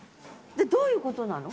でどういうことなの？